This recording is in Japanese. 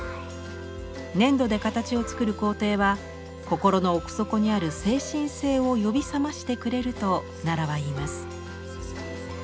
粘土で形を作る工程は心の奥底にある精神性を呼び覚ましてくれると奈良はいいます。